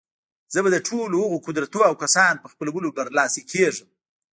زه به د ټولو هغو قدرتونو او کسانو په خپلولو برلاسي کېږم.